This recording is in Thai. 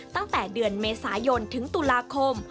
ตั้งแต่เดือนเมษายนถึงตุลาคม